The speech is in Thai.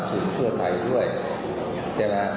อืม